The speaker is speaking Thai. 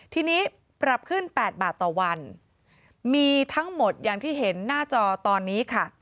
ทีนี้ปรับขึ้น๘บาทต่อวันมีทั้งหมดอย่างที่เห็นหน้าจอตอนนี้ค่ะ